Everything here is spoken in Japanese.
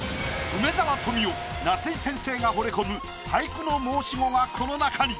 梅沢富美男夏井先生がほれ込む俳句の申し子がこの中に！